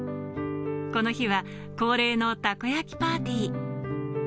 この日は恒例のたこ焼きパーティー。